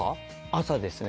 朝ですね。